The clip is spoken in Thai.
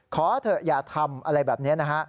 ขอเถอะอย่าทำอะไรแบบนี้นะฮะ